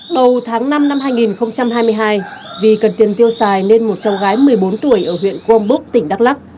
đầu tháng năm năm hai nghìn hai mươi hai vì cần tiền tiêu xài nên một cháu gái một mươi bốn tuổi ở huyện crombook tỉnh đắk lắc